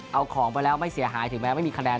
เอาของไปแล้วไม่เสียหายถึงแม้ไม่มีคะแนน